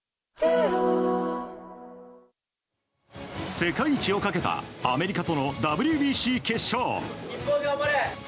世界一をかけたアメリカとのＷＢＣ決勝。